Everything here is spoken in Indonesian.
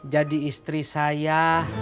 jadi istri saya